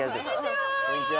こんにちは！